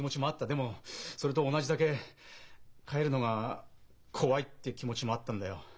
でもそれと同じだけ「帰るのが怖い」って気持ちもあったんだよ。